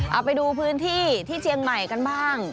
เอาไปดูพื้นที่ที่เชียงใหม่กันบ้าง